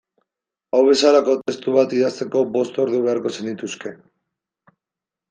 Hau bezalako testu bat idazteko bost ordu beharko zenituzke.